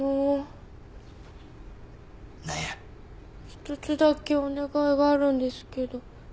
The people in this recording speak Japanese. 一つだけお願いがあるんですけど。